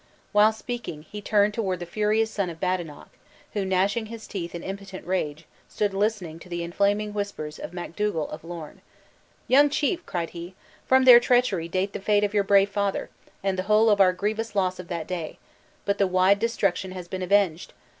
While speaking, he turned toward the furious son of Badenoch, who, gnashing his teeth in impotent rage, stood listening to the inflaming whispers of Macdougal of Lorn. "Young chief," cried he, "from their treachery date the fate of your brave father, and the whole of our grievous loss of that day; but the wide destruction has been avenged!